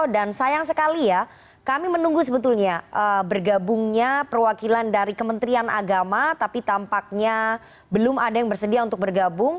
dan sayang sekali ya kami menunggu sebetulnya bergabungnya perwakilan dari kementerian agama tapi tampaknya belum ada yang bersedia untuk bergabung